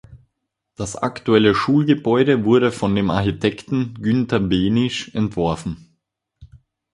Das aktuelle Schulgebäude wurde von dem Architekten Günter Behnisch entworfen.